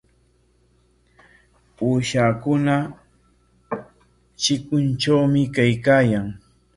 Uushakuna chikuntrawmi kaykaayan.